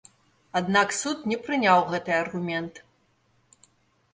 Аднак суд не прыняў гэты аргумент.